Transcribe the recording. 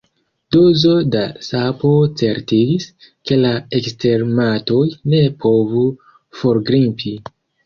Dozo da sapo certigis, ke la ekstermatoj ne povu forgrimpi.